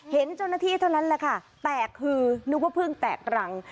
เห็นเจ้าหน้าที่เท่านั้นแหละค่ะแตกคือนึกว่าเพิ่งแตกรัง